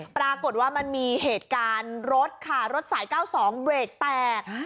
ปรากฏว่ามันมีเหตุการณ์รถค่ะรถสาย๙๒เบรกแตก